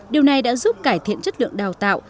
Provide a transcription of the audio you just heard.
điều này đã giúp cải thiện chất lượng đào tạo